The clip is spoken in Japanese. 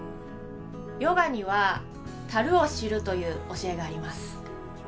ヨガには「足るを知る」という教えがあります